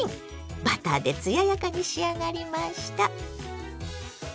バターで艶やかに仕上がりました。